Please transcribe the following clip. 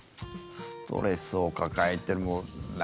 ストレスを抱えてる。